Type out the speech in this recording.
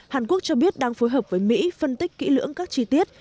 hàn quốc cho biết đang phối hợp với mỹ phân tích kỹ lưỡng các chi tiết